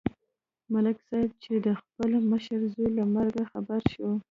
ملک صاحب چې د خپل مشر زوی له مرګه خبر شو